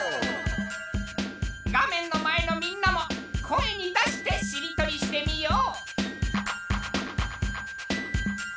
画面の前のみんなも声に出してしりとりしてみよう！